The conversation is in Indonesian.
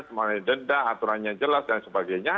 semua ini denda aturannya jelas dan sebagainya